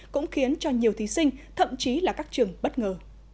cũng khiến cho nhiều thí sinh thậm chí là các trường bất ngờ